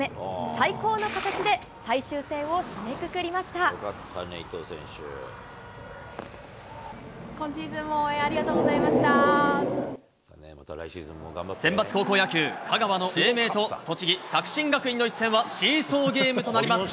最高の形で最終戦を締めくくりま今シーズンも応援ありがとうセンバツ高校野球、香川の英明と、栃木・作新学院の一戦はシーソーゲームとなります。